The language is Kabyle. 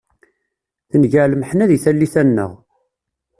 Tenger lemḥenna deg tallit-a-nneɣ.